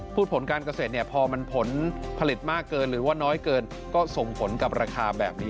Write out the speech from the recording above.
พูดผลการเกษตรพอผลิตมากเกินหรือว่าน้อยเกินก็สมผลกับราคาแบบนี้